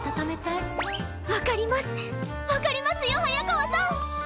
わかりますわかりますよ早川さん！